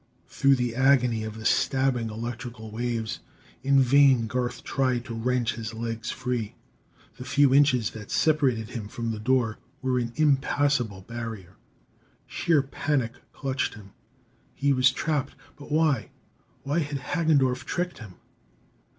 Through the agony of the stabbing electrical waves, in vain Garth tried to wrench his legs free. The few inches that separated him from the door were an impassable barrier. Sheer panic clutched him. He was trapped. But why? Why had Hagendorff tricked him?